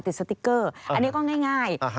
สติ๊กเกอร์อันนี้ก็ง่าย